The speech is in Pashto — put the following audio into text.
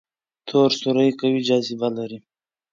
تور سوري قوي جاذبه لري.